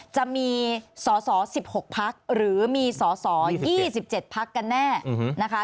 จะมีสอสอ๑๖พักหรือมีสอสอ๒๗พักกันแน่นะคะ